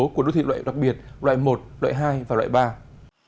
của đô thị loại đặc biệt loại một loại hai và loại ba